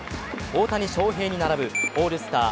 大谷翔平に並ぶオールスター